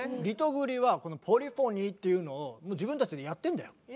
リトグリはこのポリフォニーっていうのをもう自分たちでやってんだよ。